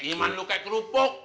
iman lu kayak kerupuk